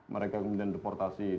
mereka kemudian deportasi